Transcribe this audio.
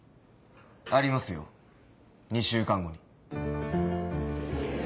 ありますよ２週間後に。